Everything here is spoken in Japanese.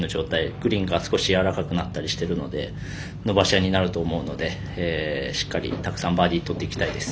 グリーンが少しやわらかくなったりしているので伸ばし合いになると思うのでしっかり、たくさんバーディーとっていきたいです。